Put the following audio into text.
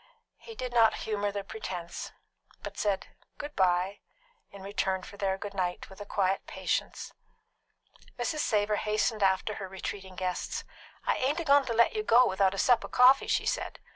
He did not humour the pretence, but said "Good bye" in return for their "Good night" with a quiet patience. Mrs. Savor hastened after her retreating guests. "I ain't a goin' to let you go without a sup of coffee," she said.